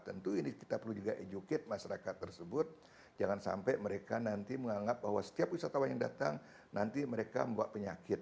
tentu ini kita juga perlu educate masyarakat tersebut jangan sampai mereka nanti menganggap bahwa setiap pesakit datang nanti mereka engkau penyakit